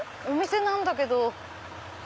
お店なんだけど。